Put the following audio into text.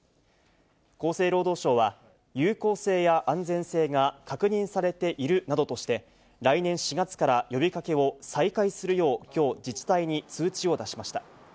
厚生労働省は、有効性や安全性が確認されているなどとして、来年４月から呼びかけを再開するよう、きょう、自治体に通知を出しました。